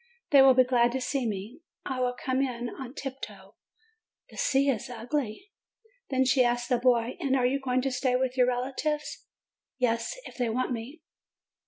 They will be glad to see me. I will come in on tip toe the sea is ugly!" Then she asked the boy : "And are you going to stay with your relatives?" "Yes if they want me."